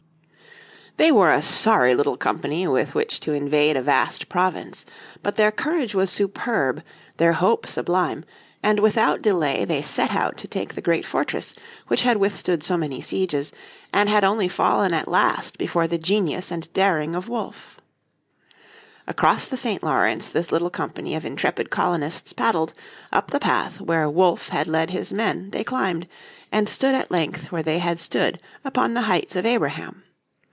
They were a sorry little company with which to invade a vast province. But their courage was superb, their hope sublime, and without delay they set out to take the great fortress which had withstood so many sieges, and had only fallen at last before the genius and daring of Wolfe. Across the St. Lawrence this little company of intrepid colonists paddled, up the path where Wolfe had led his men they climbed, and stood at length where they had stood upon the heights of Abraham.